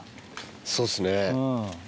そうですね。